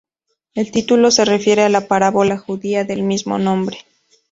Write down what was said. El título se refiere a la parábola judía del mismo nombre.